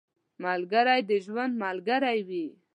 ملګری د ژوند ملګری وي